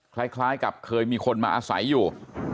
คล้ายกับเคยมีคนมาอาศัยอยู่